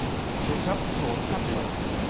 ケチャップをつくっていくんですね。